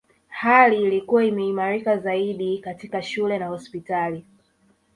Hali ilikuwa imeimarika zaidi katika shule na hospitali